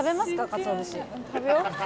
かつお節食べよう